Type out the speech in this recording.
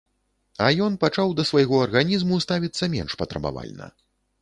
А ён пачаў да свайго арганізму ставіцца менш патрабавальна.